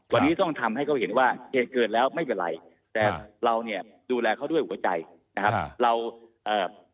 วันนี้ต้องทำให้เขาเห็นว่าเหตุเกิดแล้วไม่เป็นไรแต่เราเนี่ยดูแลเขาด้วยหัวใจนะครับเราเอ่อ